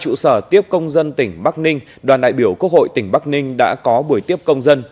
trụ sở tiếp công dân tỉnh bắc ninh đoàn đại biểu quốc hội tỉnh bắc ninh đã có buổi tiếp công dân